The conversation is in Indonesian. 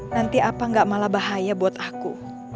nanti apa nggak malah bahaya buat aku